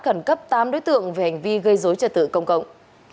khẩn cấp tám đối tượng về hành vi gây dối trật tự công cộng